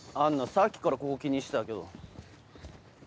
さっきからここ気にしてたけど？